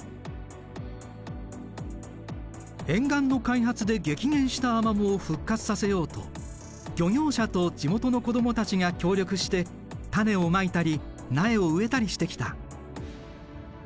沿岸の開発で激減したアマモを復活させようと漁業者と地元の子供たちが協力して種をまいたり苗を植えたりしてきた。